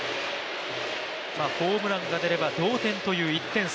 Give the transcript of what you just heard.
ホームランが出れば同点という１点差。